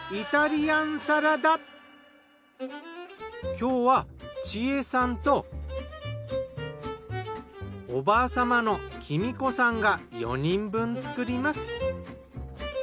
今日は智恵さんとおばあ様のきみ子さんが４人分作ります。